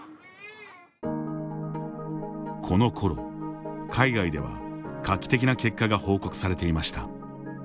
このころ、海外では画期的な結果が報告されていました。